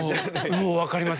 もう分かりません。